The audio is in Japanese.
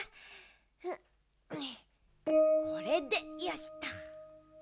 これでよしと！